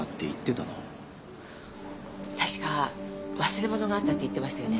たしか忘れ物があったって言ってましたよね。